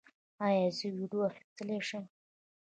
ایا زه ویډیو اخیستلی شم؟